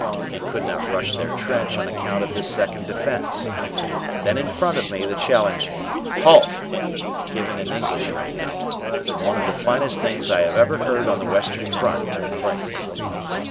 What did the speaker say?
We could not rush their trench on account of this second defense. Then in front of me the challenge, "Halt," given in English rang out, and one of the finest things I have ever heard on the western front took place.